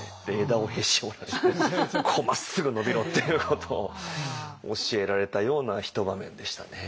枝をへし折られてまっすぐ伸びろっていうことを教えられたような一場面でしたね。